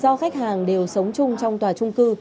do khách hàng đều sống chung trong tòa trung cư